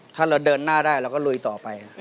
ถ้าเราเดินหน้าได้เราก็ลุยต่อไป